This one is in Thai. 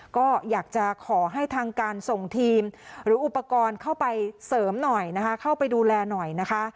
ก็อยากจะขอให้ทางการส่งทีมหรืออุปกรณ์เข้าไปเสริมหน่อยนะคะ